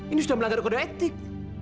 ini sudah melanggar kode etik